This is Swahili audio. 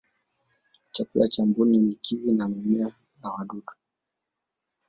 chakula cha mbuni na kiwi ni mimea na wadudu